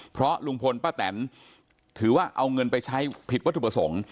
เพราะลุงพลป้าแตนถือว่าเอาเงินไปใช้ผิดวัตถุประสงค์